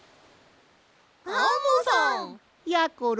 アンモさん！やころ